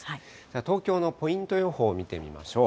東京のポイント予報見てみましょう。